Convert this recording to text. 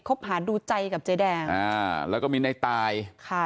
บหาดูใจกับเจ๊แดงอ่าแล้วก็มีในตายค่ะ